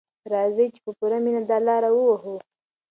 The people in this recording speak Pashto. راځئ چې په پوره مینه دا لاره ووهو.